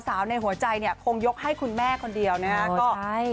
สาวในหัวใจคงยกให้คุณแม่คนเดียวนะครับ